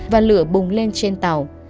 và lửa bùng lên trên tàu